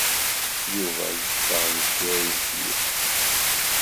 Yuba yeffeɣ deffir yimekli.